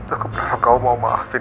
aku benar benar mau maafkan